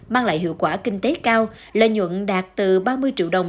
mang lại hiệu quả kinh tế cao lợi nhuận đạt từ ba mươi triệu đồng